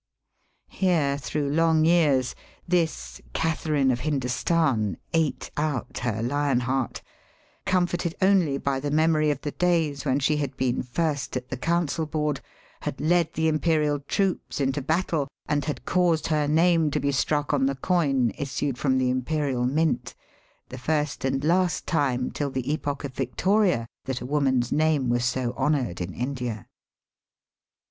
Here through long years this Catharine of Hindostan ate out her lion heart, comforted only by the memory of the days when she had been first at the council board, had led the imperial troops into battle, and had caused her name to be struck on the coin issued from the imperial mint, the first and last time till the epoch of Victoria that a woman's name was so honoured in India.